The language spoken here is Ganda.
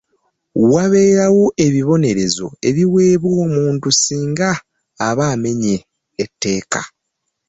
Wabeerawo ebibonerzo ebiweebwa omuntu singa aba amenye etteeka.